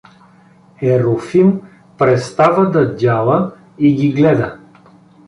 Ерофим престава да дяла и ги гледа.